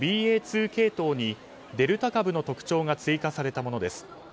２系統にデルタ株の特徴が追加されたものです。